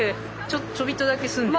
ちょびっとだけ住んでた。